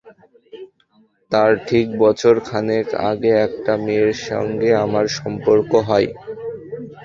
তার ঠিক বছর খানেক আগে একটা মেয়ের সঙ্গে আমার সম্পর্ক হয়।